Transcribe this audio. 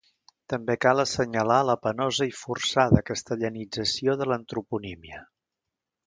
També cal assenyalar la penosa i forçada castellanització de l'antroponímia.